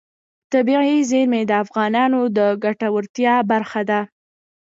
طبیعي زیرمې د افغانانو د ګټورتیا برخه ده.